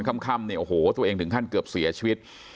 ค่ำเนี่ยโอ้โหตัวเองถึงขั้นเกือบเสียชีวิต